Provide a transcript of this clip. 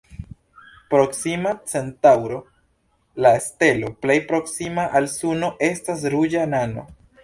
Proksima Centaŭro, la stelo plej proksima al Suno, estas ruĝa nano.